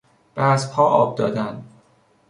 به اسبها آب دادن